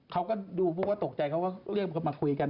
เขาก็ดูว่าตกใจเขาก็เรียกมาคุยกัน